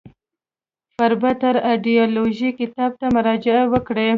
فربه تر از ایدیالوژی کتاب ته مراجعه وکړئ.